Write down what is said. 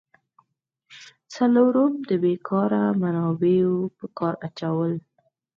څلورم: د بیکاره منابعو په کار اچول.